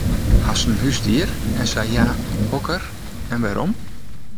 Hast in húsdier en sa ja, hokker en wêrom?